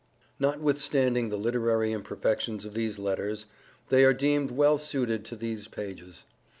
Notwithstanding the literary imperfections of these letters, they are deemed well suited to these pages.